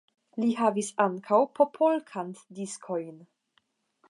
Li havis ankaŭ popolkant-diskojn.